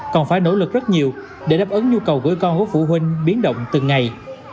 còn phải nỗ lực rất nhiều để đáp ứng nhu cầu gửi con của phụ huynh biến động từng ngày